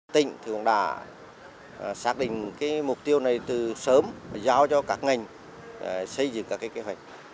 tỉnh đã xác định mục tiêu này từ sớm và giao cho các ngành xây dựng các kế hoạch